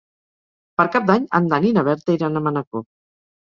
Per Cap d'Any en Dan i na Berta iran a Manacor.